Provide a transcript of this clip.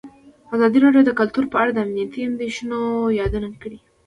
ازادي راډیو د کلتور په اړه د امنیتي اندېښنو یادونه کړې.